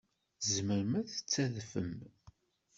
Tzemrem ad tadfem.